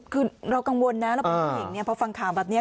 คือเรากังวลนะเราพูดเพลงเนี่ยเพราะฟังข่าวแบบนี้